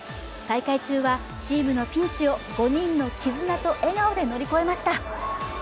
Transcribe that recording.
大会中はチームのピンチを５人の絆と笑顔で乗り越えました。